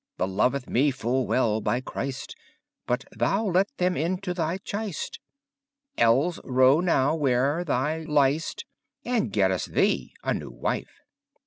The loven me full well, by Christe! But thou lett them into thy cheiste, (ark) Elles rowe nowe wher thee leiste, And gette thee a newe wiffe.